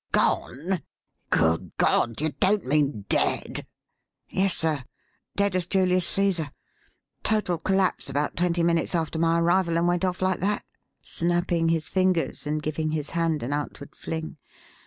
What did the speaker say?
"Gone? Good God! you don't mean dead?" "Yes, sir. Dead as Julius Cæsar. Total collapse about twenty minutes after my arrival and went off like that" snapping his fingers and giving his hand an outward fling.